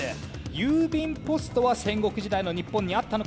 郵便ポストは戦国時代の日本にあったのか？